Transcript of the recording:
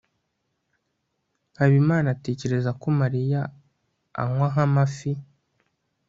habimana atekereza ko mariya anywa nk'amafi